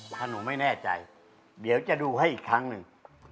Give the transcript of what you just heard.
ถ้าหนูไม่แน่ใจเดี๋ยวจะดูให้อีกครั้งหนึ่ง